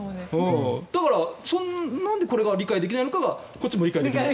だから、なんでこれが理解できないのかがこっちも理解できない。